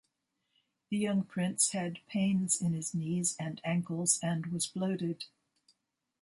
The young prince had pains in his knees and ankles and was bloated.